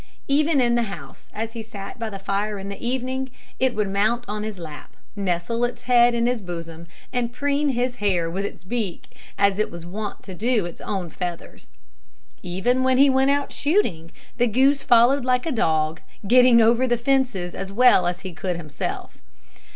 Even in the house, as he sat by the fire in the evening, it would mount on his lap, nestle its head in his bosom, and preen his hair with its beak, as it was wont to do its own feathers. Even when he went out shooting, the goose followed like a dog, getting over the fences as well as he could himself.